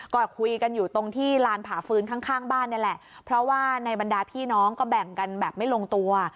ก็คุยกันอยู่ตรงที่ลานผ่าฟื้นข้างข้างบ้านนี่แหละเพราะว่าในบรรดาพี่น้องก็แบ่งกันแบบไม่ลงตัว